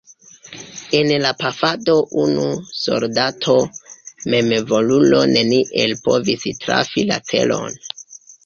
En la pafado unu soldato memvolulo neniel povis trafi la celon.